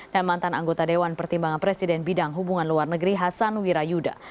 dan mantan anggota dewan pertimbangan presiden bidang hubungan luar negeri hasan wirayuda